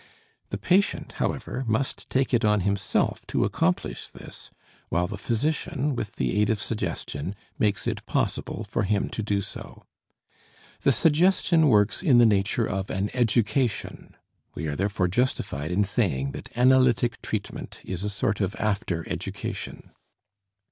The patient, however, must take it on himself to accomplish this, while the physician, with the aid of suggestion, makes it possible for him to do so. The suggestion works in the nature of an education. We are therefore justified in saying that analytic treatment is a sort of after education.